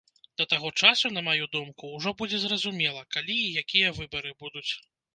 Да таго часу, на маю думку, ужо будзе зразумела, калі і якія выбары будуць.